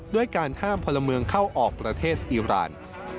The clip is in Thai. ด้วยการห้ามพลเมืองเข้าออกประเทศอิราณ